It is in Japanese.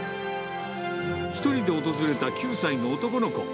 １人で訪れた９歳の男の子。